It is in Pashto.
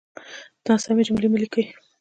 ناسمې جملې مه ليکئ!